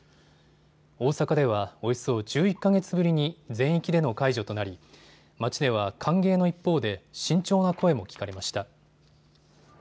大阪ではおよそ１１か月ぶりに全域での解除となり街では歓迎の一方で慎重な声も聞かれました。